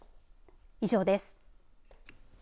以上です。